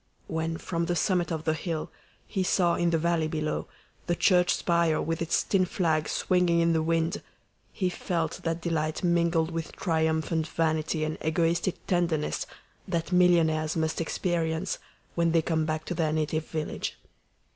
When, from the summit of the hill, he saw in the valley below the church spire with its tin flag swinging in the wind, he felt that delight mingled with triumphant vanity and egoistic tenderness that millionaires must experience when they come back to their native village.